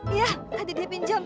iya tadi dia pinjem